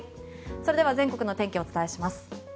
それでは全国の天気お伝えします。